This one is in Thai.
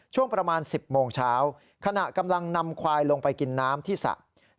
ช่วงประมาณ๑๐โมงเช้าขณะกำลังนำควายลงไปกินน้ำที่สระ